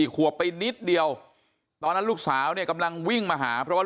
ขวบไปนิดเดียวตอนนั้นลูกสาวเนี่ยกำลังวิ่งมาหาเพราะว่า